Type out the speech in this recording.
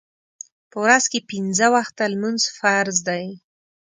په ورځ کې پنځه وخته لمونځ فرض دی